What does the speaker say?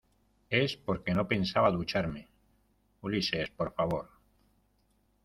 es porque no pensaba ducharme. Ulises, por favor